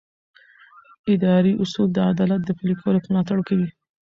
اداري اصول د عدالت د پلي کولو ملاتړ کوي.